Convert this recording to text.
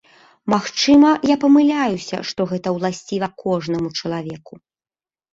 Магчыма, я памыляюся, што гэта ўласціва кожнаму чалавеку.